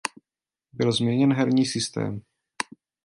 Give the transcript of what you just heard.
Byl změněn herní systém.